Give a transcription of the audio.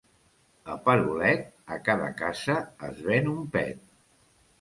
A Perolet, a cada casa es ven un pet.